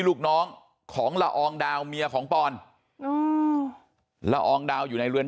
ลูกน้องของละอองดาวเมียของปอนละอองดาวอยู่ในเรือน